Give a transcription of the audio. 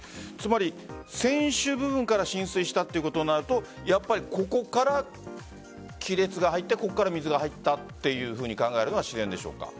船首部分から浸水したということになるとここから亀裂が入って水が入ったというふうに考えるのが自然でしょうか？